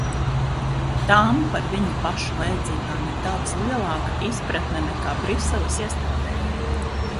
Tām par viņu pašu vajadzībām ir daudz lielāka izpratne nekā Briseles iestādēm.